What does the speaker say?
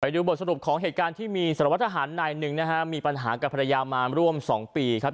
ดูบทสรุปของเหตุการณ์ที่มีสารวัตรทหารนายหนึ่งนะฮะมีปัญหากับภรรยามาร่วม๒ปีครับ